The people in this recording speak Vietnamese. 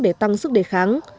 để tăng sức đề kháng